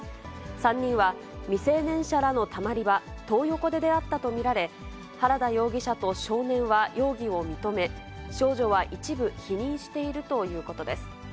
３人は未成年者らのたまり場、トー横で出会ったと見られ、原田容疑者と少年は容疑を認め、少女は一部否認しているということです。